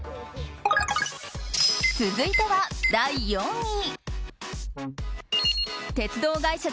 続いては第４位。